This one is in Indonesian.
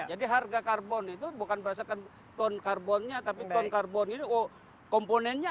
jadi harga karbon itu bukan berdasarkan ton karbonnya tapi ton karbon ini komponennya